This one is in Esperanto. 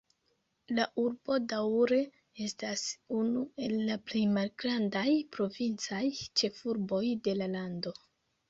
La urbo daŭre estas unu el la plej malgrandaj provincaj ĉefurboj de la lando.